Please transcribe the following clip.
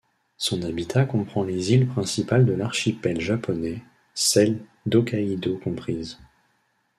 Son habitat comprend les îles principales de l'archipel japonais, celle d'Hokkaidō comprise.